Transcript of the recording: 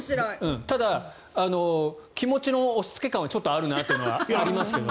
ただ、気持ちの押し付け感はちょっとあるなというのはありますけども。